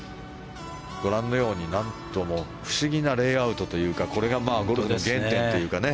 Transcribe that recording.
ご覧のように、何とも不思議なレイアウトというかこれがゴルフの原点というかね。